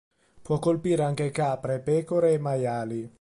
Può colpire anche capre, pecore e maiali.